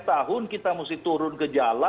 lima tahun kita mesti turun ke jalan